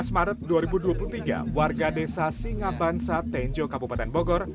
dua belas maret dua ribu dua puluh tiga warga desa singabansa tenjo kabupaten bogor